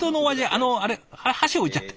あのあれ？は箸置いちゃった。